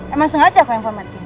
emang sengaja aku informatin